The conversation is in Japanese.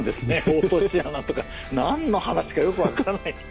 落とし穴とか何の話かよく分からない。